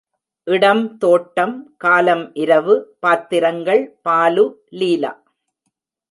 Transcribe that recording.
இடம் தோட்டம் காலம் இரவு பாத்திரங்கள் பாலு, லீலா.